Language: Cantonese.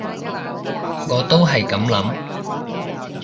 我都係噉諗